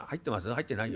入ってないよ。